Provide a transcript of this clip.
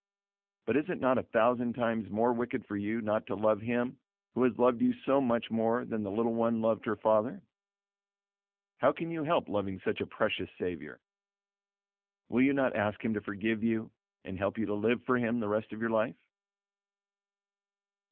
But is it not a thousand times more wicked for you not to love Him who has loved you so much more than that little one loved her father? How can you help loving such a precious Savior? Will you not ask Him to forgive you and help you to live for Him the rest of your life?